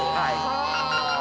はあ！